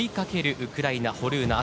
ウクライナ、ホルーナ、赤。